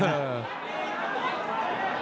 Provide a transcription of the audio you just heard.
โอ้โฮ